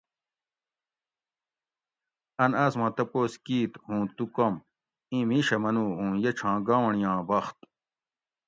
ان آس ما تپوس کیت ھوں تو کوم ؟ ایں میشہ منو ھوں یہ چھاں گاونڑیاں بخت